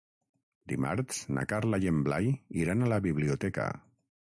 Dimarts na Carla i en Blai iran a la biblioteca.